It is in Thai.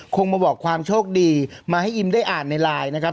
คงมาบอกความโชคดีมาให้อิมได้อ่านในไลน์นะครับ